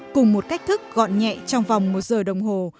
cùng một cách thức gọn nhẹ trong vòng một giờ đồng hồ